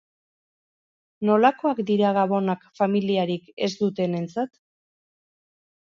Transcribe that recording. Nolakoak dira gabonak familiarik ez dutenentzat?